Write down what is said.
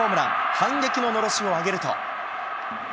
反撃ののろしを上げると。